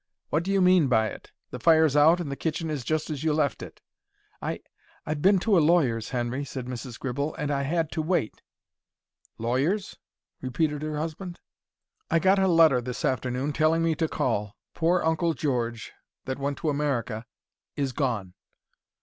"What do you mean by it? The fire's out and the kitchen is just as you left it." "I—I've been to a lawyer's, Henry," said Mrs. Gribble, "and I had to wait." "Lawyer's?" repeated her husband. "I got a letter this afternoon telling me to call. Poor Uncle George, that went to America, is gone."